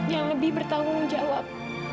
yang lebih bertanggung jawab